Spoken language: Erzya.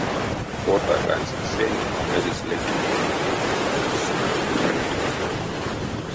Кортак ансяк сень, мезесь лезды тевентень, мезесь сонзэ а лоткавты.